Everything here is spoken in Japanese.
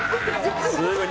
「すごい。